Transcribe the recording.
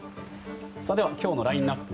今日のラインアップ